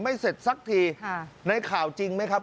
เสร็จสักทีในข่าวจริงไหมครับ